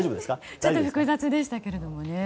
ちょっと複雑でしたけどね